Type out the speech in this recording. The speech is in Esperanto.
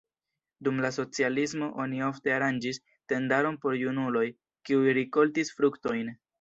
Dum la socialismo oni ofte aranĝis tendaron por junuloj, kiuj rikoltis fruktojn.